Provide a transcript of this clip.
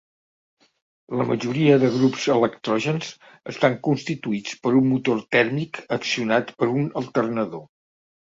La majoria de grups electrògens estan constituïts per un motor tèrmic accionat per un alternador.